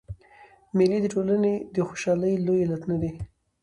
مېلې د ټولني د خوشحالۍ لوی علتونه دي.